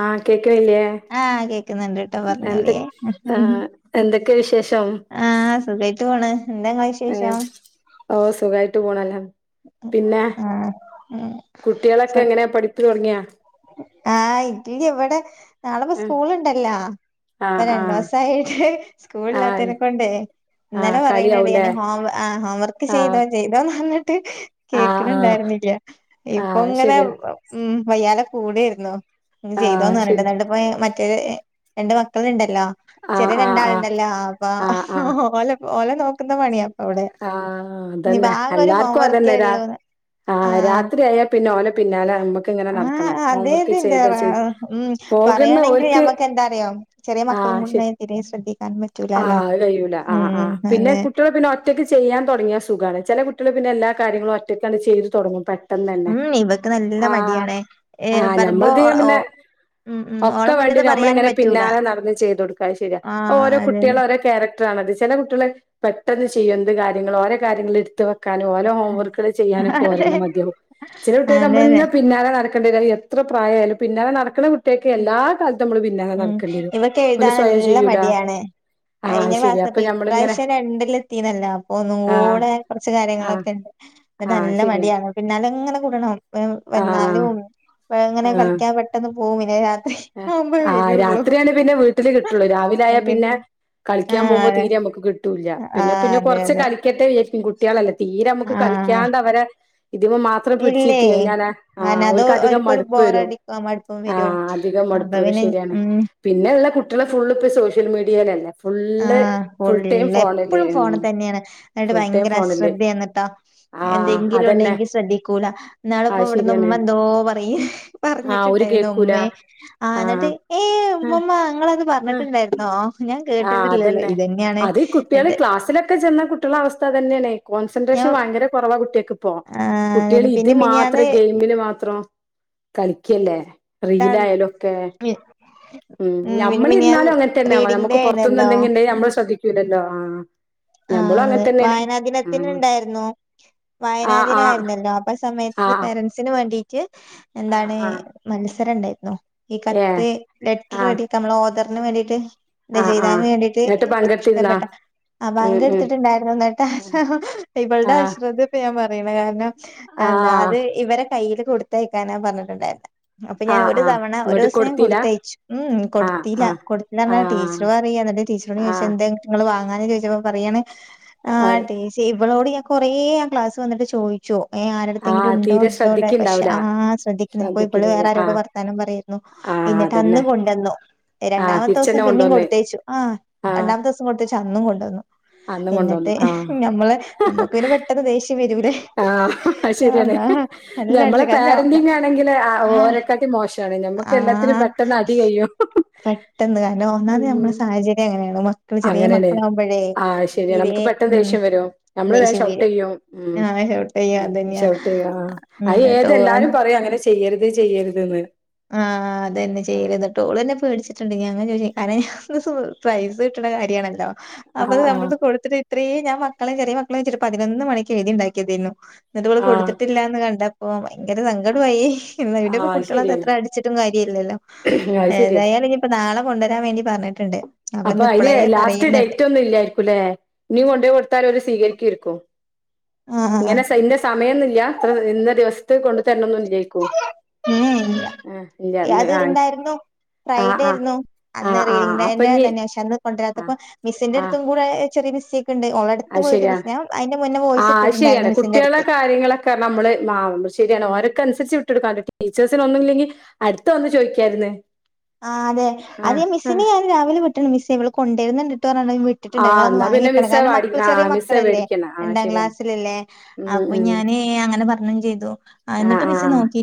ആഹ് കേക്കണില്ലേ ആഹ് കേക്ക്ന്നൊണ്ട്ട്ടോ എന്ത പറഞ്ഞോളിയേ ആഹ് എന്തൊക്കെ വിശേഷം ആഹ് സുഖായിട്ട് പോണ് എന്താ കഴി ഏഹ് ഓഹ് സുഖായിട്ട് പോണെല്ലാം പിന്നെ ആഹ് ഉം കുട്ടികളൊക്കെ ഫുഡ് എങ്ങനെ പഠിപ്പ് തുടങ്ങിയാ ആഹ് ഇല്ലിവിടെ നാളെ ഇപ്പ ഏഹ് സ്കൂള് ഇണ്ടല്ലാ ഇപ്പ ആഹ് രണ്ടു ആഹ് ദിവസായിട്ട് ആഹ് സ്കൂളില്ലാത്തേനെ കൊണ്ടേ ആഹ് ഇന്നലെ പറയുന്നടി കളിയാവൂലേ ഹോം ആഹ് ഹോം വർക്ക് ആഹ് ചെയ്തോ ചെയ്തോന്ന് പറഞ്ഞിട്ട് ആഹ് ആഹ് കേക്കണുണ്ടായിരുന്നില്ല ഇപ്പം ആഹ് ഇങ്ങനെ ശരിയാ ഉം വയ്യാലെ കൂടായിരുന്നു ഉം ആഹ് ചെയ്തോന്ന് ശരി പറഞ്ഞിട്ട് [unintelligible] അപ്പൊ മറ്റരു രണ്ട് മക്കളിണ്ടല്ലോ ആഹ് ചെറിയ ആഹ് ആഹ് രണ്ടാളുണ്ടല്ലോ ആഹ് ആഹ് ഓലെ ഓലെ നോക്കുന്ന പണിയാ ഇപ്പൊ ഇവിടെ ആഹ് ഇനിയിപ്പ അതന്നെ ആകെ ഒരു ഹോം എല്ലാർക്കും വർക്കേ അതന്നെ രാ ഉള്ളൂന്ന് ആഹ് രാത്രിയായാ പിന്നെ ഓലെ പിന്നാലെ നമ്മുക്കിങ്ങനെ ആഹ് നടക്കണം ഹോം അതെ വർക്ക് അതിന്റെ ചെയ്താ ചെയ്ത് ഉം പോകുന്ന പറയാണെങ്കിൽ ഓൽക്ക് ഞമ്മക്ക് എന്താറിയോ ചെറിയ മക്കളും ആഹ് ശ കൂടിണ്ടായ തീരെ ശ്രദ്ധിക്കാൻ ആഹ് പറ്റൂലാലോ അത് കഴിയൂല ആഹ് ഉം ആഹ് പിന്നെ അതെ കുട്ടികൾ പിന്നെ ഒറ്റയ്ക്ക് ചെയ്യാൻ തൊടങ്ങിയാ സുഖാണ് ചെല കുട്ടികള് പിന്നെ എല്ലാ കാര്യങ്ങളും ഒറ്റക്കണ്ട് ചെയ്തു തുടങ്ങും പ [unintelligible] തന്നെ ഉം ഇവക്ക് നല്ല ആഹ് മടിയാണേ ഏഹ് ആഹ് പറയുമ്പോ ഞമ്മളത് ഓ പിന്നെ ഉം ഉം ഓളെ ഒക്കെ മുന്നിന്ന് വേണ്ടിവരും പറയാനും നമ്മളിങ്ങനെ പറ്റൂല പിന്നാലെ നടന്നു ചെയ്തു കൊടുക്കാ ശരിയാ ആഹ് ഓരോ അതെ കുട്ടികളെ ഓരോ ക്യാരക്ട ടറാണത് ചെല കുട്ടികള് പെട്ടെന്ന് ചെയ്യും എന്ത് കാര്യങ്ങളും ഓരോ കാര്യങ്ങൾ എടുത്തോ [unintelligible] ഓലെ ഹോംവർക്കുകള് ചെയ്യാനൊക്കെ അതെ ഓരന്ന മതിയാവും ചില കുട്ടികക്ക് അതെ അതെ നമ്മളിങ്ങ പിന്നാലെ നടക്ക [unintelligible] എത്ര പ്രായായാലും പിന്നെ നടക്കണ കു കുട്ടികക്ക് എല്ലാ കാലത്തും നമ്മളും പിന്നാലെ ഉം നടക്കേണ്ടി വരും ഇവക്ക് ഓല് എഴുതാൻ സ്വയം നല്ല ചെയ്യൂല മടിയാണ് ആഹ് കഴിഞ്ഞ അത് ശരിയാ ക്ലാസ് അപ്പൊ അപ്പം ഞമ്മളിങ്ങനെ ഇപ്രാവശ്യം [unintelligible] അപ്പൊ ഒന്നും ആഹ് കൂടെ കൊറച്ച് ആഹ് കാര്യങ്ങളൊക്കെ ഉണ്ട് പിന്നെ ആഹ് നല്ല ശരിയാണ് മടിയാണോല് പിന്നാലെ ഇങ്ങനെ കൂടണം ആഹ് വന്നാലും എങ്ങനെ ആഹ് കളിക്കാൻ പെട്ടെന്ന് പോകും [unintelligible] ആഹ് രാത്രിയായോണ്ട് പിന്നെ വീട്ടില് കിട്ടുള്ളൂ രാവിലെ ആയാ പിന്നെ കളിക്കാൻ ആഹ് പോകുമ്പോ അതെ തീരെ നമുക്ക് കിട്ടൂല്ല പിന്നെ ആഹ് പിന്നെ അതെ കൊറച്ച് അതെ കളി ക്കട്ടെ വിചാരിക്കും കുട്ടികളല്ലേ തീരെ നമ്മക്ക് ആഹ് കളിക്കാണ്ട് അവരെ ഇതിനു മാ ത്രം ഇല്ലേ പിടിച്ചിരുത്തി കഴിഞ്ഞാല അന അത് ഓരിക്ക് അധികം ഓര്ക്കൊരു മടുപ്പ് വരും ബോറടിക്കും മടുപ്പും വരും ആഹ് അധ് അധികം മടുപ്പ് അപ്പൊ വരും പിന്നെ ശരിയാണ് ഉം പിന്നെ ഉള്ള കുട്ടികള് ഫുള്ള് ഇപ്പ സോഷ്യൽ മീഡിയേലല്ലേ ആഹ് ഫുള്ള് എപ്പോഴും ഉം ഫോണ് തന്നെയാണ് എന്നിട്ട് ഫുൾ ടൈം ഭയങ്കര ഫോണില് അശ്രദ്ധയാന്നിട്ടാ ആഹ് എന്തെങ്കിലും അതന്നെ ഉണ്ടെങ്കി ശ്രദ്ധിക്കൂല ഇന്നാളിപ്പോ ആഹ് ഇവിടുന്ന് ശരിയാണ് ഉമ്മ എന്തോ പറയ ആഹ് ഓര് പറഞ്ഞിട്ടുണ്ടായിരുന്നു കേക്കൂല ഉമ്മേ ആഹ് എന്നിട്ട് ഏയ് ആഹ് ഉമ്മമ്മ ഇങ്ങളത് ആഹ് പറഞ്ഞിട്ടുണ്ടായിരുന്നോ ഞാൻ കേ ആഹ് [unintelligible] ഇതന്നെയാണ് എൻ്റെ ക്കെ ചെന്ന കുട്ടികളെ അവസ്ഥ അതന്നെയാണേ ഞാൻ കോൺസെൻട്രേഷൻ ഭയങ്കര കുറവാ കുട്ടിയക്ക് പ്പോ കുട്ടികൾ ആഹ് ഇത് പിന്നെ മാത്രം മിനിയാന്ന് ഗെയിമില് മാത്രം കളിക്കല്ലേ റീലായാലും ഒക്കെ ഉം പിന്നെ മിനിയാന്ന് ഞമ്മളിരുന്നാലും അങ്ങനത്തന്നെയാവാ റീഡിംഗ് ഡേ നമ്മക്കും ആയിരുന്നല്ലോ പൊറത്തുന്ന്ന്തെങ്കി ഉണ്ടേ നമ്മള് ശ്രദ്ധിക്കൂല്ലല്ലോ ആഹ് ആഹ് ആഹ് ഞമ്മളും അങ്ങനെ അതെ തന്നെയാണ് വായനാ ദിനത്തിന് ഉണ്ടായിരുന്നു വായനാ ആഹ് ആഹ് ദിനായിരുന്നല്ലോ അപ്പ സമയത്ത് അത് ആഹ് പേരൻസ് ന് വേണ്ടീട്ട് ആഹ് എന്താണ് ആഹ് ആഹ് മത്സരം ഉണ്ടായിന്നോ ഈ ഏഹ് കത്ത് ആഹ് ലെറ്ററടിക്ക നമ്മള് ഓതറിനു വേണ്ടിട്ട് ആഹ് ആഹ് രചയിതാവിന് വേണ്ടിട്ട് എന്നിട്ട് പങ്കെടുത്തിരുന്നാ ഇഷ്ടപ്പെട്ട ആഹ് ഉം പങ്കെടുത്തിട്ടുണ്ടായിരുന്നു ഉം എന്നിട്ട് ഇബൾടെ ആഹ് അശ്രദ്ധ ഞാൻ പറയണ കാരണം എന്താ ആഹ് അത് ഇവരെ കയ്ല് കൊടുത്തയക്കാനാ പറഞ്ഞിട്ടുണ്ടായിരുന്നേ അപ്പൊ ഞാൻ ആഹ് ഒരു ആഹ് തവണ ഒരു ഇങ്ങോട്ട് ദിവസം ഞാൻ കൊടുത്തീല കൊടുത്തയച്ചു ഉം ആഹ് കൊടുത്തീല ആഹ് കൊടുത്തീല പറഞ്ഞ് ആഹ് ടീച്ച ഇവള് പറയാണ് [unintelligible] ടീച്ചറിനോട് ആഹ് ചോദിച്ചെന്തെ ങ്ങള് വാങ്ങാന് ചോദിച്ചപ്പോ പറയാണ് ആഹ് ടീ ഇവളോട് ഞാൻ കൊറേ ആഹ് ക്ലാസ് വന്നിട്ട് ചോദ ചോ ഏഹ് ആരെടുത്തെങ്കിലും ആഹ് ഒണ്ടോ തീരെ ഒണ്ടോ [unintelligible] പക്ഷെ ശ്രദ്ധിക്കണ്ടാവൂല ആഹ് ശ്രദ്ധിക്കുന്നില്ല അപ്പൊ ഇവള് ശ്രദ്ധിക്കലില്ല വേറാരോടോ ആഹ് വർത്താനം പറയുന്നു ആഹ് എന്നിട്ട് അന്ന് അതന്നെ കൊണ്ടന്നു ആഹ് രണ്ടാമത്തെ ദിവസം തിരിച്ചന്നെ പിന്നേം കൊണ്ടുവന്ന് കൊടുത്തയച്ചു ആഹ് ആഹ് രണ്ടാമത്തെസം ങ്ങോട്ട്ച്ചന്നും കൊണ്ടുവന്നു അന്ന് എന്നിട്ട് കൊണ്ടുവന്നു ആഹ് ഞമ്മള് നമ്മക്ക് പിന്ന പെട്ടെന്ന് ദേഷ്യം വരൂലേ ആഹ് ഞാൻ അത്ശെരിയാണ് അന്നാ നല്ല ഞമ്മളെ അടിച്ച് കാരണം പേരൻ്റിങ്ങാണ് [unintelligible] ആഹ് ഓരെക്കാട്ടി മോശവാണ് ഞമ്മക്ക് എല്ലാത്തിനും ആഹ് പെട്ടെന്ന് അടി കഴിയും പെട്ടെന്ന് കാരണം ഒന്നാതെ ഉം ഞമ്മളെ സാഹചര്യം അങ്ങനെയാണ് മക്കള് ചെറിയ മക്കളാകുമ്പഴേ തീരേ പെട്ടന്ന് ദേഷ്യം വരും നമ്മള് വേഗം ഷൗട്ടെയ്യും ഉം ആഹ് ഷൗട്ട് ചെയ്യും ഉം അതന്നെയാ ഷോട്ടെയ്യും ആഹ് ഉം അത് എന്നിട്ട് ഓൻ ഏതെല്ലാരും പറയും അങ്ങനെ ചെയ്യരുത് ചെയ്യരുത് ന്ന് ആ, അതന്നെ, ചെയ്യര്ത് ഓൾ തന്നെ പേടിച്ചിട്ടുണ്ട്. ഞങ്ങൾ ചോയ്ച്ച് കരയാന്ന്തോ പൈസ കിട്ടണ്ട കാര്യാണല്ലോ, അപ്പത് ആഹ് ആഹ് നമ്മൾത് കൊടുത്തിട്ട് ഇത്രയും ഞാൻ മക്കളേം, ചെറിയ മക്കളേംച്ച്ട്ട്, പതിനൊന്ന് മണിക്ക് എഴുതി ഉണ്ടാക്കിതായിന്നു, എന്നിട്ട് ഇവൾ അത് ആഹ് കൊടുത്തിട്ടില്ല എന്ന് കണ്ട അപ്പ ഭയങ്കര സങ്കടമായി. ഇ, ആഹ് ഇവിടെപ്പ അത് കുട്ടികളെ തല്ല ശരിയാണ് എത്ര അടിച്ചിട്ടും കാര്യല്ലല്ലോ, അത് ശരിയാ ഏതായാലും ഇനിയിപ്പോ നാളെ കൊണ്ടുവരാൻ വേണ്ടി പറഞ്ഞിട്ടുണ്ട്. അപ്പൊ ഇന്ന് അയ്ന് ഇപ്പളേ ലാസ്റ്റ് പറയുന്നുണ്ട് ഡേറ്റ് ഒന്നും ഇല്ലായിരിക്കൂല്ലേ. ഇനി കൊണ്ട്പോയി കൊടുത്തൽ അവര് സ്വീകരിക്കയ്രിക്കും. ആഹ് ആഹ് ഇങ്ങനെ സൈൻഇന്റെ സമയൊന്നുല്ല. ഇത്ര ഇന്ന ദിവസത്ത് കൊണ്ടു തരണം എന്നൊന്ന് ഇല്ലയ്ക്കും. ഇല്ല, അത് ഉണ്ടായിരുന്നു. ആഹ് ഫ്രൈഡേ ആഹ് ആയിരുന്നു. അന്ന് ആഹ് ആഹ് അപ്പൊ റെയിൽവേന്റെയ് ഇഞ്ഞി റെയിൽവേയസ്റ്റേഷനിൽ അന്ന് ആഹ് കൊണ്ടായക്കുമ്പോ മിസ്സിന്റെ ആഹ് അടുത്തും കൂടെ ചെറിയമിസ്റ്റെക്ക്ണ്ട്. ഓളെ എ ടുത്ത് അത് പോയിട്ട് ശരിയാ മുന്നേം, അയ്ന്റെ മുന്നേ വോയിസ് ഇട്ടിട്ടുണ്ടായിരുന്നു മിസിന്റെ അടുത്ത് കാരണം. നമ്മള് ശരിയാണ്. ഓര്ക്കനുസരിച്ച് വിട്ടൊടുക്കാലോ ടീച്ചേഴ്സിനൊന്നുംല്ലെങ്കിൽ അടുത്ത് വന്ന് ചോയ്ക്കായിര്ന്ന്‌. ആ അതെ മിസ്സിനെ ഞാൻ രാവിലെ വിട്ടണ്ട്. മിസ്സേ ഇവള് കൊണ്ടര്ന്ന്‌ണ്ട്ട്ടൊ പർഞ് വി ആ വിട്ടിട്ടുണ്ട്. ഇങ്ങളൊന്നു എന്നാ പിന്നെ വാങ്ങിക്കണം, മിസ്സേ കാരണം വാടി മക്കൾ ആ ചെറിയ മിസ്സേ മക്കളല്ലേ, പേടിക്കണ്ട. ആ രണ്ടാം ശരിയാണ്. ക്ലാസ്സിലല്ലേ. ഉം അപ്പൊ ഉം. ഞാന് അങ്ങനെ പർഞ്ഞും ചെയ്തു, ആ എന്നിട്ട് ആ. മിസ്സ്‌ നോക്കി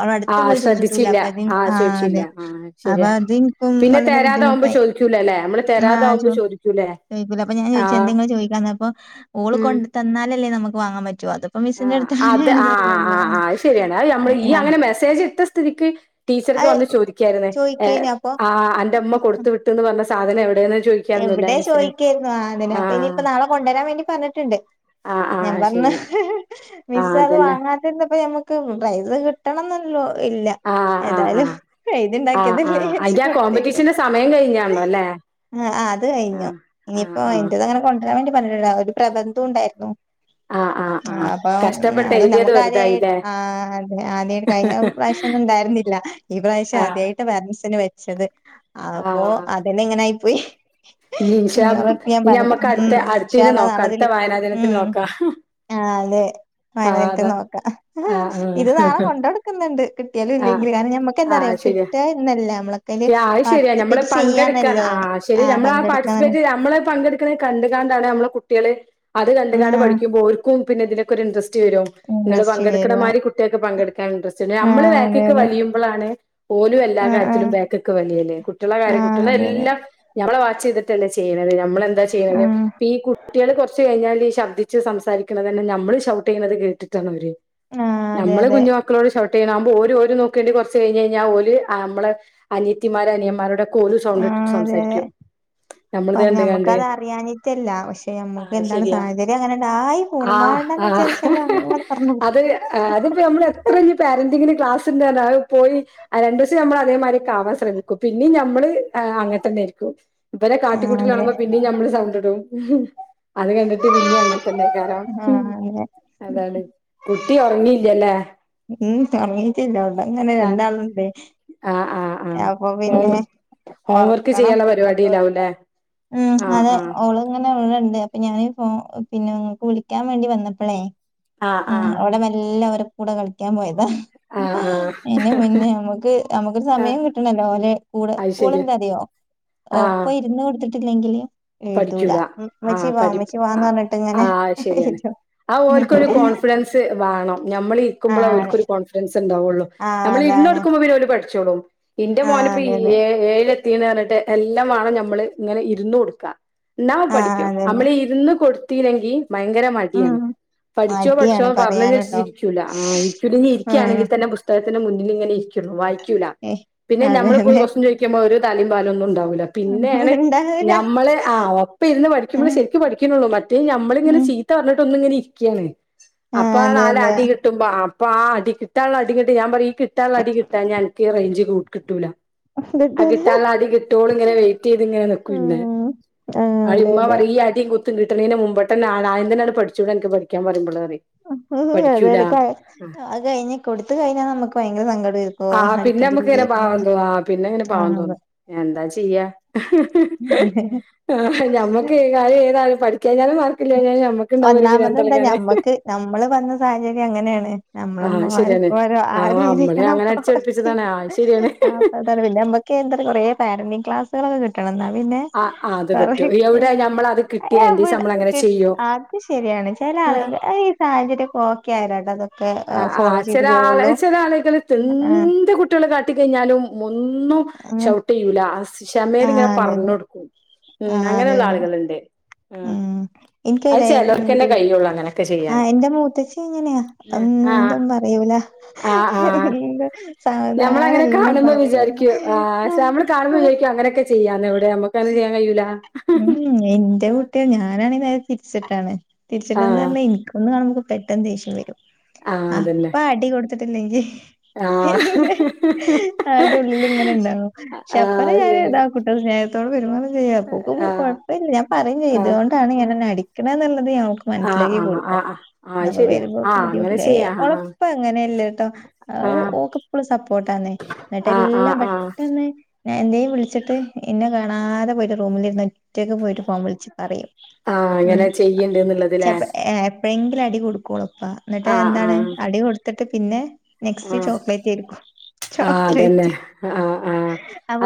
അവടെ ആ അടുത്ത് പോയി ചോദിച്ചിട്ടൂല്ല, ശ്രദ്ധിച്ചില്ല. അപ്പൊ അത് ആ, ചോദിച്ചില്ല. അതെ ആ അപ്പൊ ശരിയാ. അത്ൻക്കും പിന്നെ വളരെ തരാതാവുമ്പോ ബുദ്ധിമുട്ടായി. ചോദിക്കൂലല്ലേ? നമ്മള് ആ, ചോ തരാതാവുമ്പോ ചോദിക്കൂലേ? ചോയ്കൂല, അപ്പൊ ഞാൻ ആ. ചോയ്ച്ച് എന്തെ ങ്ങൾ ചോയ്ക്കാഞ്ഞെ, അപ്പോ ഓള് ഉം. കൊണ്ട് തന്നാലല്ലേ, നമുക്ക് വാങ്ങാൻ പറ്റു അത്. ആ, അത് ആ, ആ, അത് ശരിയാണ്, ആ, നമ്മള് ഈ ആ, അങ്ങനെ മെസ്സേജ് ഇട്ട സ്ഥിതിക്ക് ടീച്ചർക്ക് അത് വന്ന് ചോദിക്കായിരുന്ന്‌, ചോദിക്കേനു അപ്പൊ ആ അന്റെ അമ്മ കൊടുത്ത് വിട്ട്ന്ന് പറഞ്ഞ സാധനം എവിടെന്ന് ചോയ് എവിടെ ചോയ്ക്കായിരുന്നു, ആ, അതിനെ അപ്പൊ ഇനിയിപ്പ നാളെ കൊണ്ടുവരാൻ വേണ്ടി പർഞ്ഞിട്ടുണ്ട്. ആ ആ ഞാൻ പർഞ്ഞ് ശരി ആ മിസ്സ്‌ അത് അതന്നെ വാങ്ങാതിര്ന്നപ്പ ഞങ്ങക്ക് പൈസ കിട്ടണംന്നള്ളൂ. ഇല്ല, ആ ആ ആ ഏതായാലും ആ ആ എഴ്തിണ്ടാക്കിയതല്ലേച്ച്ട്ട് അയിന്റെ ആ കോമ്പറ്റീഷന്റെ കൊടുത്തേക്കട്ടെ. സമയം കഴിഞ്ഞാണല്ലോ അല്ലേ ആ, അത് ആ കഴിഞ്ഞു., ആ ഇനിയിപ്പോയ്ന്റെ അങ്ങനെ കൊണ്ടുവരാൻ വേണ്ടി പറയുലോലോ. ഒരു പ്രാബന്ധോംഉണ്ടായിരുന്നു. ആ [inaudible] ആ, അപ്പം കഷ്ടപ്പെട്ട് അത് എഴുതിയത് നമുക്ക് ആദ്യായി വെറുതായില്ലേ ആ, ആദ്യായ്ട്ട് കഴിഞ്ഞ പ്രാവശ്യം ഉണ്ടായിരുന്നില്ല, ഈ, പ്രാവശ്യം ആ ആദ്യായിട്ട് പരന്സിനെ വെച്ചത്. ആ അപ്പൊ അതന്നെ ഇങ്ങനായി പോയി. ഇനി ഉറപ്പ് ഞാൻ ഇനി പറയില്ല. നമ്മക്ക് അടുത്ത ഉം. അടുത്തീന് ഇൻശാല്ലാഹ്‌ നോക്കാം അടുത്ത നാളെതില്. വായനാ ദിനത്തിന് ഉം. നോക്കാം ആ, അതേ., ആഹ് അതാ വയനെത്തിന്നോക്കാം, ആഹ് ഇത് നാളെ ആഹ് കൊണ്ടൊടുക്കുന്നുണ്ട്, കിട്ടിയാലും ആഹ് ഇല്ലെങ്കിലും കാരണം ഞമ്മ നമ്മ ക്കെന്താന്നറിയോ, ആഹ് ശരിയാ കിട്ടാഎന്നല്ല നമ്മളൊക്കെ അയിൽ ആ അത് ശരിയാ നമ്മള് പാർട്ടിസിപ്പേറ്റ് ചെയ്യാന്നല്ലേ, ആ, പങ്കെടുക്ക റെസ്‌പെക്ട് നമ്മളെ പങ്കെടുക്കുന്നത് കണ്ടുകാണ്ടാണ് നമ്മളെ കുട്ടികള് അത് ആ കണ്ടുകാണ്ട് പഠിക്കുമ്പോൾ ഓര്ക്കു പിന്നെതിലൊക്കെ ഒരു ഇൻറസ്റ്റ് വരും. നിങ്ങള് ഇൻട്രസ്റ്റ് വരുവാ പങ്കെടുക്കണമാതിരി കുട്ട്യക്ക് പങ്കെടുക്കാൻ ഇൻട്രസ്റ്റ്ണ്ട്. ആ നമ്മള് അതെ ബാക്ക്ക്ക് അതെ വലിയുമ്പളാണ് ഓലും എല്ലാ ആ ആ കാര്യത്തിലും ബേക്‌ക്ക് വലിയും, കുട്ടികളെ ആ കാര്യത്തിൽ അതെ അതെ കുട്ടികളെല്ലാം ഞമ്മളെ വാച്ച് ചെയ്തിട്ടല്ലെ ചെയ്യണത്, നമ്മളെന്താ ചെയ്യണത്, ഉം ഇപ്പ ഈ കുട്ടികള് കൊർച്ച് കഴിഞ്ഞാൽ ഈ ശബ്ദ ശബ്തിച് സംസരിക്കണന്നെ നമ്മള് ഷൗട്ട് ചെയ്യുന്നത് കേട്ടിട്ടാണ്., ആഹ് അതെ ഞമ്മള് അതെ കുഞ്ഞ്മ മക്കളോട് ഷൗട്ട് ചെയ്യണാവുമ്പോ, ഓല് ഓര് നോക്കേണ്ടി കൊർച്ച് കഴിഞ് കഴിഞാൽ ഓല് നമ്മളെ അനിയത്തിമാര അനിയന്മാരോടൊ ക്കോലും സൗണ്ട് ഇട്ടിട്ട് സംസാരിക്കും. നമ്മളിത് കണ്ട് കണ്ട് ഞമ്മക്കത് അറിയാഞ്ഞിട്ടല്ല, പക്ഷെ മ്മക്ക് എന്താണ് സാഹചര്യം അങ്ങനെടായി ആ,, ആ, അത് അതിപ്പോ നമ്മളെ എത്ര വലിയ പാരന്റിങ്ങിന് ക്ലാസ്സ്ടുതന്ന അത് പോയി- രണ്ടു ദിവസം നമ്മൾ അതേമാതിരിയൊക്കെ ആവാൻ ശ്രമിക്കും. പിന്നെയും ഞമ്മള് അങ്ങനെ തന്നെയായിരിക്കും. ഇവരെ ആഹ് കാട്ടിക്കൂട്ടൽ അതെ കാണുമ്പോ പിന്നേം ഞമ്മള് സൗണ്ട് ഇടും. അത് കണ്ടിട്ട് പിന്നേം അങ്ങനെ തന്നെ ആഹ് അതെ [unintelligible] കുട്ടി ഒറങ്ങിയില്ല അല്ലേ ഉം ഉറങ്ങയിട്ടില്ല അവിടെ അത് അങ്ങനെ ആഹ് രണ്ടാളുണ്ട് ആഹ് ആഹ് ആഹ് അപ്പൊ പിന്നെ ഓൻ ഹോംവർക്ക് ഒറക്കണം ചെയ്യാനുള്ള കൊണ്ട് പരിപാടിയിലാവൂലേ ഉം ആഹ് അതെ ആഹ് ഓള് - ഞാന് ഇവിടെ ഇണ്ട് അപ്പൊ ഞാന് പിന്നെ കുളിക്കാൻ വേണ്ടി വന്നപ്പളെ ആഹ് - ഉം ആഹ് അവിടെ മെല്ലെ ഓരെ കൂടെ കളിക്കാൻ പോയതാ ആഹ് ഇതിന് മുന്നേ നമ്മക്ക് നമുക്ക് ആഹ് സമയം കിട്ടണല്ലോ ഓലെ കൂടെ അത് കൂടെ ശരി എന്താ അറിയോ ആഹ് ഓപ്പൊ ഇരുന്ന് കൊടുത്തിട്ടില്ലെങ്കില് - എഴുതൂല പഠിക്കൂല ആ ഉമ്മച്ചി വാ പഠി ഉമ്മച്ചി വാന്ന് പറഞ്ഞിട്ട് ഇങ്ങനെ വിളിക്കും ആഹ് ഓല്ക്കൊരു കോൺഫിഡൻസ് വേണം ഞമ്മള് ഇരിക്കുമ്പോളാ ആഹ് ഓൽക്കൊരു കോൺഫിഡൻസ് ഉണ്ടാവുള്ളു ആഹ് നമ്മള് അതാണ് ഇരുന്ന്കൊടുക്കുമ്പോ പിന്നെ ഓല് പഠിച്ചോളും ഇന്റെ ആഹ് മോന് ഇപ്പ അതെ അതെ ഏഴ് - [unintelligible] ത്തി പറഞ്ഞിട്ട് എല്ലാം വേണം നമ്മള് ഇങ്ങനെ ഇരുന്ന് കൊടുക്കാ എന്നാ ആഹ് പഠിക്കും അതന്നെ നമ്മള് ഇരുന്ന് കൊടുത്തില്ലെങ്കിൽ ഭയങ്കര ഉം മടിയാണ് പഠിച്ചോ പഠിച്ചോ മടിയാണ് പറഞ്ഞന്ന് വെച്ച് പറയാന്ട്ടോ ഇരിക്കൂല ആ ഇത് ഉം ഇരിക്കുകയാണെങ്കിൽ തന്നെ - പുസ്ത- പുസ്തകത്തിന്റെ മുന്നിൽ ഇങ്ങെ ഇരിക്കുള്ളൂ വായിക്കൂല ഏഹ് പിന്നെ അതെ നമ്മള് പോയി അതെ കൊസ്റ്റ്യൻ ചോദിക്ക- ക്കുംപോ ഒരു തലയും വാലൊന്നും ഉണ്ടാവൂല്ല പിന്നെയാണ് ഇണ്ടാവൂല ഞമ്മള് - ആഹ് ഒപ്പം ഇരുന്ന് പഠിക്കുമ്പോളേ ഉം ശരിക്കും പഠിക്കുന്നുള്ളൂ മറ്റേ നമ്മളിങ്ങനെ ഉം ചീത്ത പറഞ്ഞിട്ട് ഒന്ന് ഇങ്ങന ഇരിക്കയാണ് ആഹ് അപ്പൊ അതെ നാല് അതെ അടി കിട്ടുമ്പോ അപ്പൊ ആ അടി കിട്ടാനുള്ള അടി കിട്ടി ഞാൻ പറയും എനിക്ക് ഇഷ്‌ - കിട്ടാനുള്ള അടി കിട്ടാഞ്ഞാൽ അനക്ക് റേഞ്ച് കിട്ടൂല ആ കിട്ടൂല കിട്ടാനുള്ള അടി കി- മറ്റോള് ഇങ്ങനെ വെയിറ്റ് ചെയ്ത് ഇങ്ങനെ നിക്കും ഇന്ന് ഉം ആഹ് അവിടെ അതെ ഉമ്മ അതെ പറയും ഈ അടീം കുത്തും കിട്ടണേന് മുമ്പിട്ട് തന്നെ ആദ്യം തന്നെ അങ്ങട് നിനക്ക് പഠിച്ചൂട നിനിക്ക് പഠിക്കാൻ പറയുമ്പോൾ എന്ന് പറയും പഠിക്കൂല [unintelligible] അത് കഴിഞ്ഞ് കൊടുത്ത് കഴിഞ്ഞാൽ നമുക്ക് ഭയങ്കര സങ്കടമായിരിക്കും ആ പിന്നെ നമ്മുക്ക് ഇങ്ങനെ അടിക്കണ്ടില്ലായിരുന്നു പാവം തോന്നും ആ പിന്നെ ഇങ്ങനെ പാവം തോന്നും ഞാൻ എന്താ ചെയ്യാ ആഹ് ഞമ്മക്ക് കാര്യംഏതായാലും പഠിക്കാഞ്ഞാലും മാർക്കില്ലാഞ്ഞാലും ഞമ്മക്കുണ്ടാവും ഒരു ഒന്നാമത് ഭ്രാന്ത് എന്താ എളക്കാൻ ഞമ്മക്ക് നമ്മള് വന്ന സാഹചര്യം അങ്ങനെയാണ് നമ്മളെ ആ ഉമ്മമാരെ ശരിയാണ് പോലെ ആ നമ്മളെ ആയിരിക്കണം അങ്ങനെ അടിച്ചേൽപ്പിച്ചതാണ് ആ ശരിയാണ് [unintelligible] അതാണ് പിന്നെ നമ്മുക്ക് എന്താ കൊറേ പാരന്റിംഗ് ക്ലാസ് - വെറുതെ കിട്ടണം എന്നാ പിന്നെ ആ ആ അത് പറ്റും എവിടെ ഞമ്മളത് കിട്ടി രണ്ടീസം എവിടെ നമ്മളങ്ങനെ ചെയ്യും അത് ശരിയാണ് ചെല ആഹ് ആളുകൾക്ക് ഈ സാഹചര്യമൊക്കെ ഓക്കെ ആയാലാ- ആഹ് ആഹ് ചെല ആള് ചെല ആളുകള് ആഹ് എന്ത് കു- കള് കാട്ടി കഴിഞ്ഞാലും ഒന്നും ആഹ് ഷൗട്ട് ചെയ്യൂല ആ ക്ഷമേല് ആഹ് ഇങ്ങനെ അതെ അതെ പറഞ്ഞു കൊടുക്കും ഉം ആഹ് അതെ അങ്ങനെയുള്ള അതെ ആളുകളുണ്ട് ഉം അത് എനിക്കല്ലേ ചെലോർക്ക്‌ തന്നെ പി കയ്യുള്ളൂ അങ്ങനെയൊക്കെ ആ ചെയ്യാന് എന്റെ മൂത്തച്ചി - അങ്ങനെയാ ആഹ് ഒന്നും പറയൂല ആഹ് ആഹ് എന്താ സാവധാനം ഞമ്മളങ്ങനെ എല്ലാം കാണുമ്പോ പറയും ആഹ് വിചാരിക്കും പക്ഷെ നമ്മള് കാണുംപോ വിചാരിക്കും അങ്ങനൊക്ക ചെയ്യാന്ന് ഇവിടെ നമ്മുക്കത് ചെയ്യാൻ കഴിയൂലാ ഉം എന്റെ കുട്ടിയെ ഞാനാണെ നേരെ തിരിച്ചിട്ടാണ് തിരിച്ചിട്ടെന്ന് പറഞ്ഞാ എനിക്കൊന്ന് കാണും പോ പെട്ടെന്ന് ദേഷ്യം വരും ആഹ് അതന്നെ അപ്പ അടികൊടു- ഇല്ലെങ്കി- ആഹ് പിന്നെ അത് ഉള്ളിൽ ഇങ്ങനെ ഉണ്ടാവും പക്ഷെ അപ്പഴെ ഞാൻ ആഹ് ഇതാ- പെട്ടെന്ന് സ്നേഹത്തോടെ പെരുമാറും ചെയ്യാം അപ്പോ അത് കൊഴപ്പമില്ല ഞാൻ പറയും ചെയ്യും ഇത് കൊണ്ടാണ് ഇങ്ങനെ ശരിയാണ് നിന്നെ അടിക്കണേ എന്നുള്ളത് ഞങ്ങക്ക് മനസ്സിലാക്കി ആഹ് ആഹ് ആഹ് ആഹ് ആഹ് കൊടുക്കും ആഹ് ആഹ് അത് അപ്പൊ ശരിയാ വരുമ്പോക്ക ആഹ് അങ്ങനെ ബുദ്ധിമുട്ടില്ല ചെയ്യാ ഓള് ആഹ് ഇപ്പൊ അങ്ങനെയല്ലട്ടോ ആഹ് ഓൾക്ക് - ഫുൾ സപ്പോർട്ട് ആന്നേ എന്നിട്ട് ആഹ് എല്ലാം ആഹ് ആഹ് ആഹ് പെട്ടന്ന് - എന്നേം വിളിച്ചിട്ട് ഇന്നെ കാണാതെ പോയിട്ട് റൂമിലിര്ന്ന് ഒറ്റക്ക് പോയിട്ട് ഫോൺ വിളിച്ച് പറയും ആഹ് ഉം അങ്ങനെ ചെയ്യ്ണ്ട്ന്ന്ള്ളത്ലേ ചെലപ്പം ഏഹ് ഭയങ്കര അടി കൊടുക്കോളെപ്പ ഇന്നട്ട് അഹ് ആഹ് എന്താണ് ആഹ് അടി കൊടുത്തിട്ട് പിന്നെ നെക്സ്റ്റ് ആഹ് ചോക്ലെറ്റേരിക്കും ആഹ് അതന്നെ ചോക്ലേറ്റ് ആഹ് ആഹ്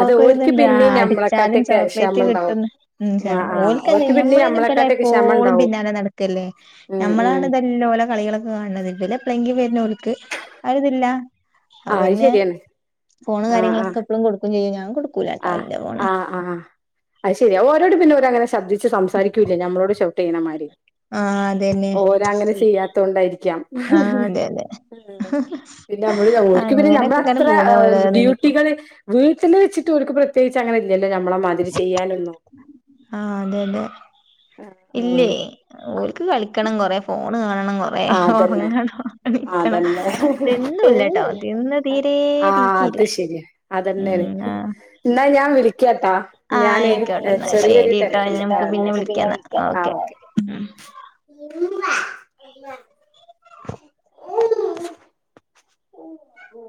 അത് ഓര്ക്ക് ആ പിന്നിം അടിച്ചാലും ഞമ്മളെക്കാട്ടൊക്കെ ചോക്ലേറ്റ് കി ക്ഷമണ്ടാവും ട്ടുന്ന് ആഹ് ആഹ് ഓൽക്ക് എന്താ ഓര്ക്ക് പിന്നിം നമ്മള് അയ്ന് ഇവരെ ഞമ്മളെക്കാട്ടൊക്കെ എപ്പോളും ക്ഷമണ്ടാവും പിന്നാലെ നടക്കല്ലേ ഉം ഉം ഞമ്മളാണ് ഇതെല്ലോലെ കളികളൊക്കെ കാണണത് ഇബല് എപ്പളെങ്കി വര്ണ ഓൽക്ക് അത് ഇതില്ല അപ്പ ആഹ് അത് പിന്നെ ശരിയാണ് ഫോണ് ആഹ് ആഹ് കാര്യങ്ങളൊക്കെ എപ്പളും കൊടുക്കും ചെയ്യും ഞാൻ കൊടുക്കൂലാട്ടോ ആഹ് ഇന്റെ ഫോണ് ആഹ് അഹ് ശരിയാ ഓരോട് പിന്നെ ഓരങ്ങനെ ശബദിച് സംസാരിക്കൂല്ല ഞമ്മളോട് ഷൗട്ട് ചെയ്യണമാരി ആഹ് അതന്നെ ത്തൊണ്ടായിരിക്കാം ആഹ് അതെ അതെ ആ പിന്നെ നമ്മള് ഓരിക്ക് പിന്നെ അങ്ങനെയൊക്കെ ഇങ്ങനെ നമ്മളത്ര പോണ് ഓരോന്ന് ഇനിയിപ്പോ ഡ്യൂട്ടികള് വീട്ടില് വെച്ചിട്ട് ഓരുക്ക് പ്രത്യേകിച്ച് അങ്ങനെ ഇല്ലല്ലോ നമ്മളെ മാതിരി ചെയ്യാനൊന്നും ആ അതെ അതെ ഇല്ലേ ആഹ് ഓല്ക്ക് കളിക്കണം കൊറേ ഫോണ് കാണണം കൊറ റേ ആഹ് അതന്നെ ഒറങ്ങണം കളിക്കണം അതന്നെ തിന്നൂല്ലട്ടോ ഒന്നുല്ല തിന്ന് തീരെ തീറ്റില്ല റ്റില്ലേ അതന്നേണ് ന്നാ ഞാൻ വിളിക്കാട്ടോ ആഹ് ഞാനെയ് ആയിക്കോട്ടെ എന്നാ ചെറിയൊരു ശരി ട്ടോ തെരക്ക്ണ്ട്ട്ടോ എന്നാ നമുക്ക് പിന്നെ വിളിക്കാന്നാ വിളിക്ക ആ ഓക്കെ ഉം ഓ ഓ